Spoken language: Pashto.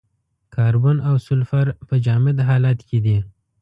کاربن او سلفر په جامد حالت کې دي.